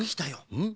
うん？